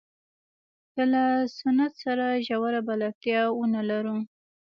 که له سنت سره ژوره بلدتیا ونه لرو.